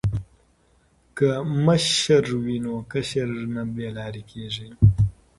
که مشر وي نو کشر نه بې لارې کیږي.